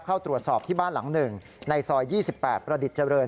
เข้าตรวจสอบที่บ้านหลังหนึ่งในซอย๒๘ประดิษฐ์เจริญ